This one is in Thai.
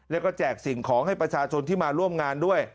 แล้วก็แจกสิ่งของให้ประชาชนที่มาร่วมงานด้วย